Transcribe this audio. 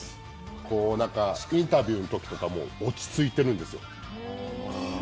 インタビューのときも落ち着いてるんです。